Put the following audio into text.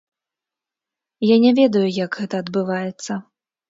Я не ведаю, як гэта адбываецца.